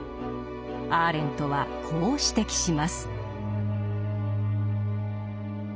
アーレントはこう指摘します。